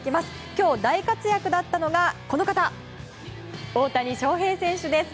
今日、大活躍だったのがこの方大谷翔平選手です。